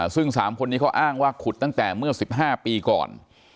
ซึ่ง๓คนนี้เขาอ้างว่าขุดตั้งแต่เมื่อ๑๕ปีก่อน